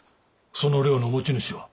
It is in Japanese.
その寮の持ち主は？